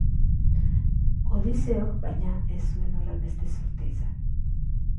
Odiseok, baina, ez zuen horrenbeste zorte izan.